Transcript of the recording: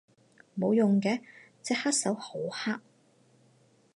冇用嘅，隻黑手好黑